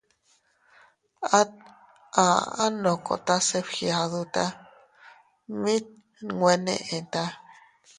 At a aʼa ndokota se fgiaduta, mit nwe neʼta.